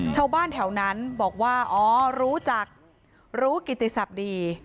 ชาวบ้านแถวนั้นบอกว่าอ๋อรู้จักรู้กิติศัพท์ดี